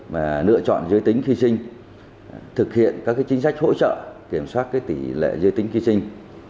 mà lựa chọn giới tính khi sinh thực hiện các chính sách hỗ trợ kiểm soát tỷ lệ giới tính khi sinh